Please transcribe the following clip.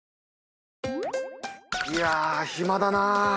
いや暇だな。